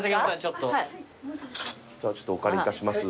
お借りいたします。